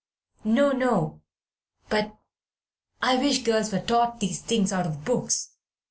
"No, no; but ... I wish girls were taught these things out of books.